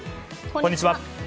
こんにちは。